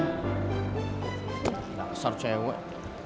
gila kasar cewek